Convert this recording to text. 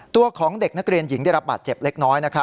ตัวของเด็กนักเรียนหญิงได้รับบาดเจ็บเล็กน้อย